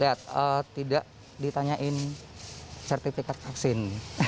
lihat tidak ditanyain sertifikat vaksin